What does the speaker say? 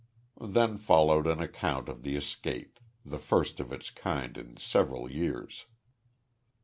Then followed an account of the escape, the first of its kind in several years.